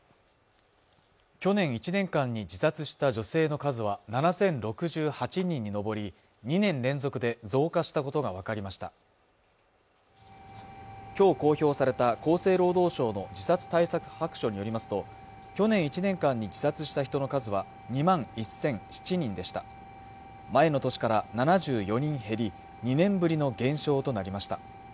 去年１年間に自殺した女性の数は７０６８人に上り２年連続で増加したことが分かりましたきょう公表された厚生労働省の自殺対策白書によりますと去年１年間に自殺した人の数は２万１００７人でした前の年から７４人減り２年ぶりの減少となりました